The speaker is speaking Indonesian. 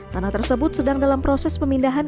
tanah tersebut sedang dalam proses pemindahan